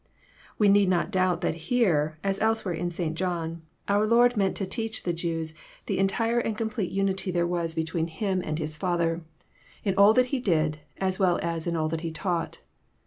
We need not doubt that here, as elsewhere in St. John, our Lord meant to teach the Jews the entire and complete unity there waa 280 EXPOSITORY THOUGHTS. between Him and His Father, in all that He did, as well as in all that He taught.